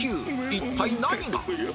一体何が？